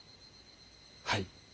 はい。